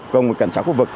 công an thành phố huế